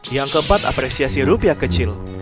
yang keempat apresiasi rupiah kecil